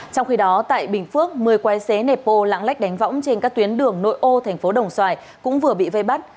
trong khi đó tại bình phước một mươi quái xế nẹp bô lãng lách đánh võng trên các tuyến đường nội ô thành phố đồng xoài cũng vừa bị vây bắt